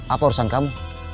apa urusan kamu